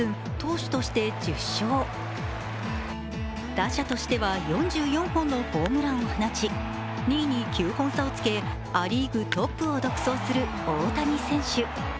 打者としては４４本のホームランを放ち２位に９本差をつけア・リーグトップを独走する大谷選手。